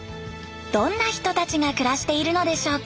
どんな人たちが暮らしているのでしょうか？